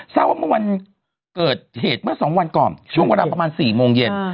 เสาร์ว่าเมื่อวานเกิดเหตุเมื่อสองพันธุ์ก่อนช่วงเวลาประมาณสี่โมงเย็น